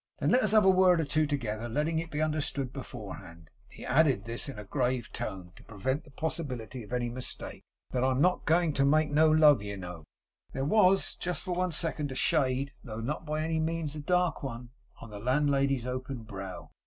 Then let us have a word or two together; letting it be understood beforehand,' he added this in a grave tone, to prevent the possibility of any mistake, 'that I'm not a going to make no love, you know.' There was for just one second a shade, though not by any means a dark one, on the landlady's open brow.